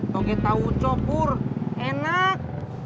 jogetawu cok pur enak